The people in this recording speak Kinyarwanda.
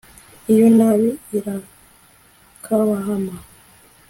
iyo nabi irakabahama